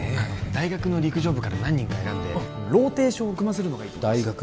大学の陸上部から何人か選んでローテーションを組ませるのがいいと思います